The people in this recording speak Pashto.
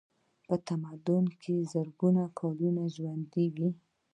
یو تمدن چې زرګونه کاله ژوندی دی.